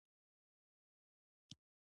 هغوی د ډونر هېوادونو پورې منحصر پاتې کیږي.